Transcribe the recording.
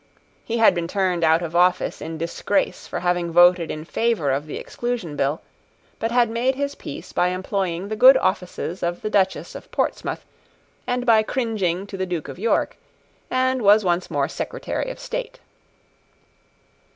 He had been turned out of office in disgrace for having voted in favour of the Exclusion Bill, but had made his peace by employing the good offices of the Duchess of Portsmouth and by cringing to the Duke of York, and was once more Secretary of State.